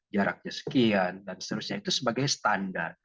jaraknya sekian dan seterusnya itu sebagai standar